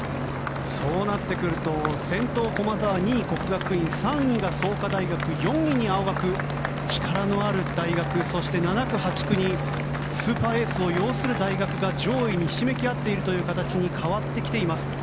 そうなってくると先頭、駒澤２位、國學院３位が創価大学４位に青学と、力のある大学そして７区、８区にスーパーエースを擁する大学が上位にひしめき合っている形に変わってきています。